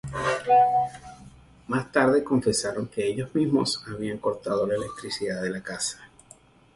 Más tarde confesaron que ellos mismos habían cortado la electricidad de la casa.